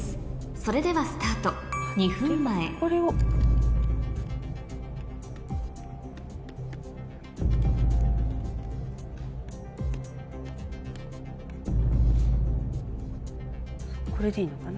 それではスタート２分前これでいいのかな。